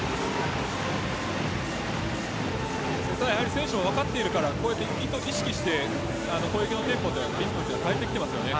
選手も分かっているからこうやって意識して攻撃のテンポやリズムを変えています。